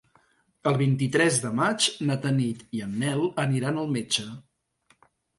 El vint-i-tres de maig na Tanit i en Nel aniran al metge.